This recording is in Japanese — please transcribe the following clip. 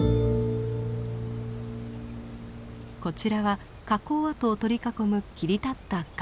こちらは火口跡を取り囲む切り立った崖。